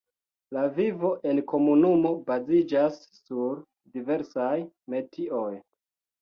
La vivo enkomunumo baziĝas sur diversaj metioj.